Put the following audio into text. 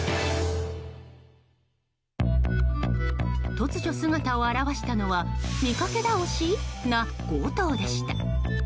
突如、姿を現したのは見掛け倒し？な強盗でした。